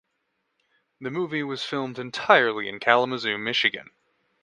The movie was filmed entirely in Kalamazoo, Michigan.